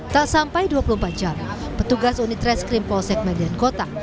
tak sampai dua puluh empat jam petugas unit reskrim polsek medan kota